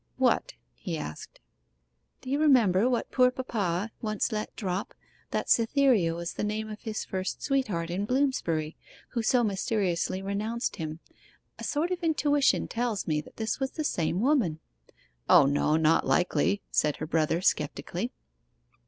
'What?' he asked. 'Do you remember what poor papa once let drop that Cytherea was the name of his first sweetheart in Bloomsbury, who so mysteriously renounced him? A sort of intuition tells me that this was the same woman.' 'O no not likely,' said her brother sceptically.